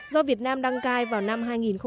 do việt nam đăng cai vào năm hai nghìn một mươi